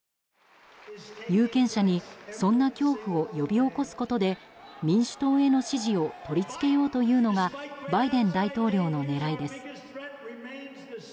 有権者にそんな恐怖を呼び起こすことで民主党への支持を取り付けようという狙いがバイデン大統領の狙いです。